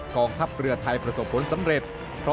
กองทัพเรือไทยประสบผลสำเร็จ